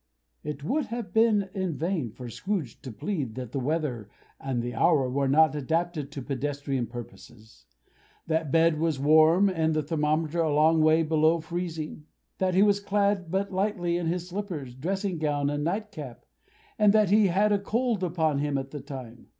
It would have been in vain for Scrooge to plead that the weather and the hour were not adapted to pedestrian purposes; that bed was warm and the thermometer a long way below freezing; that he was clad but lightly in his slippers, dressing gown, and night cap; and that he had a cold upon him at the time.